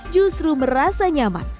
justru merasa nyaman